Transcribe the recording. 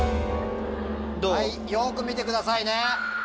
よく見てくださいね。